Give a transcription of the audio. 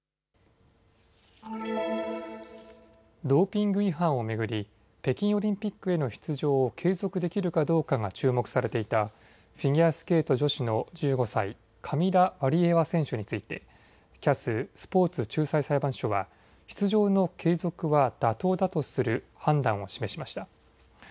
ドーピング違反を巡り、北京オリンピックへの出場を継続できるかどうかが注目されていた、フィギュアスケート女子の１５歳、カミラ・ワリエワ選手について、ＣＡＳ・スポーツ仲裁裁判所は出場の継続は妥当だとする判断を示しました。